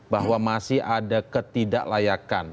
bahwa masih ada ketidaklayakan